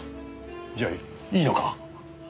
じゃあいいのか？